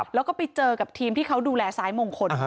แล้วก็ไปเจอกับทีมที่เขาดูแลซ้ายมงคล